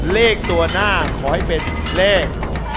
เลขตัวหน้าขอให้เป็นเลข